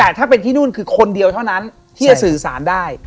แต่ถ้าเป็นที่นู่นคือคนเดียวเท่านั้นที่จะสื่อสารได้